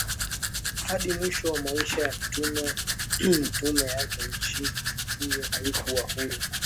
hadi mwisho wa maisha ya mitume yake nchi hiyo haikuwa huru